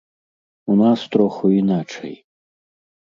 У нас троху іначай.